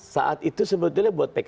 saat itu sebetulnya buat pkb